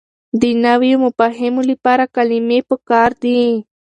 د نويو مفاهيمو لپاره کلمې پکار دي.